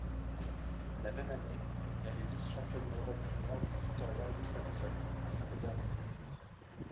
La même année, elle est vice-championne d'Europe junior de Victoria Williamson à Saint-Pétersbourg.